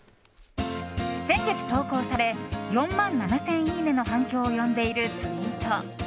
先月投稿され４万７０００いいねの反響を呼んでいるツイート。